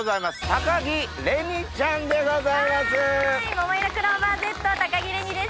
ももいろクローバーＺ高城れにです。